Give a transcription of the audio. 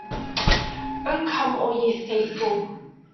Oh come all ye faithful.